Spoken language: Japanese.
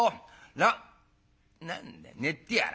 ら何だ寝てやら。